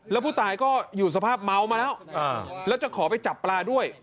แล้วผู้ตายก็อยู่สภาพเมามาแล้วแล้วจะขอไปจับปลาด้วย